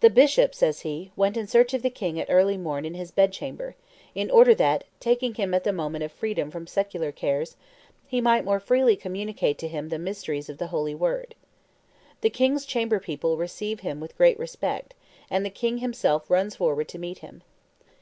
"The bishop," says he, "went in search of the king at early morn in his bed chamber, in order that, taking him at the moment of freedom from secular cares, he might more freely communicate to him the mysteries of the holy word. The king's chamber people receive him with great respect, and the king himself runs forward to meet him.